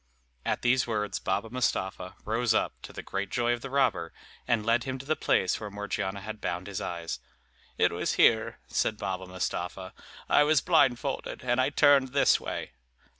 At these words Baba Mustapha rose up, to the great joy of the robber, and led him to the place where Morgiana had bound his eyes. "It was here," said Baba Mustapha, "I was blindfolded; and I turned this way."